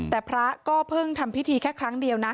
แต่พระก็เพิ่งทำพิธีแค่ครั้งเดียวนะ